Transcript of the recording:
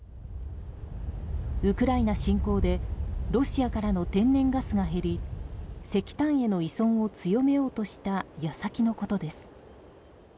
ウクライナ侵攻でロシアからの天然ガスが減り石炭への依存を強めようとした矢先のことです。